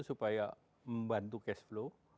supaya membantu cash flow